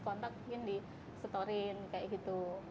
kontak mungkin di store in kayak gitu